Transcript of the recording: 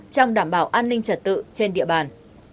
trong đảm bảo an ninh trật tự trên địa bàn